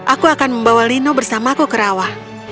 aku akan membawa lino bersamaku ke rawa